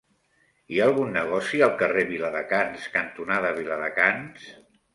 Hi ha algun negoci al carrer Viladecans cantonada Viladecans?